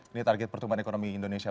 ini target pertumbuhan ekonomi indonesia